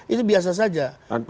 itu biasa saja